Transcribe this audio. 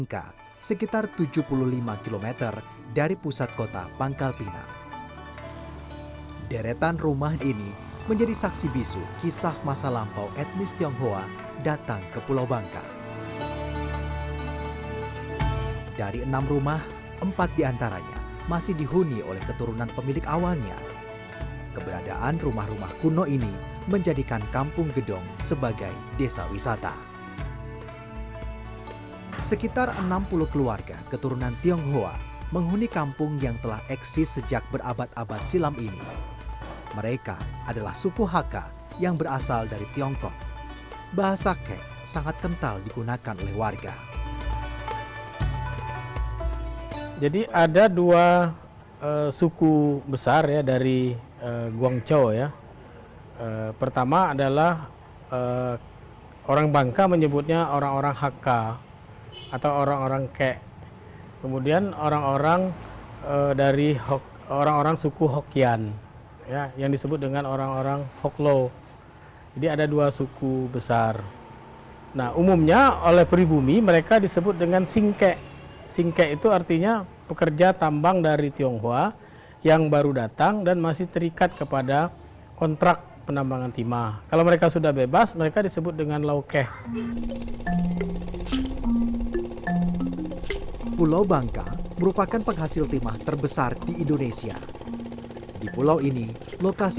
karena sebenarnya mereka itu lebih menderita dibandingkan dengan orang orang lokal